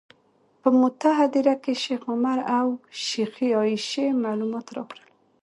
په موته هدیره کې شیخ عمر او شیخې عایشې معلومات راکړل.